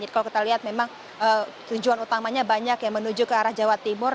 jadi kalau kita lihat memang tujuan utamanya banyak yang menuju ke arah jawa timur